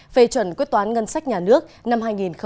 về chuẩn quyết toán ngân sách nhà nước năm hai nghìn một mươi bảy